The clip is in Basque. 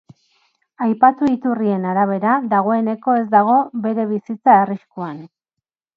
Aipatu iturrien arabera, dagoeneko ez dago bere bizitza arriskuan.